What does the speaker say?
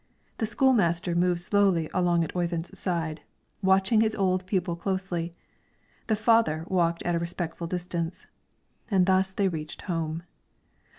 The school master moved slowly along at Oyvind's side, watching his old pupil closely; the father walked at a respectful distance. And thus they reached home.